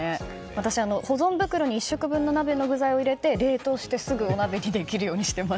私、保存袋に１食分の鍋の具材を入れて冷凍して、すぐお鍋にできるようにしています。